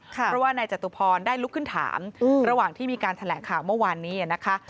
เพราะว่านายจตุพรได้ลุกขึ้นถามระหว่างที่มีการแถลงข่าวเมื่อวานนี้นะคะ